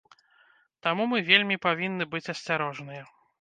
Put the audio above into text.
Таму мы вельмі павінны быць асцярожныя.